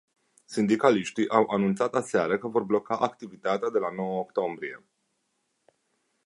Sindicaliștii au anunțat aseară că vor bloca activitatea de la nouă octombrie.